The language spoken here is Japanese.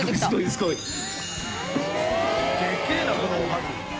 でけえなこのおはぎ。